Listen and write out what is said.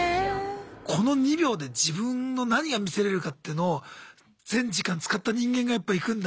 この２秒で自分の何が見せれるかっていうのを全時間使った人間がやっぱいくんだ。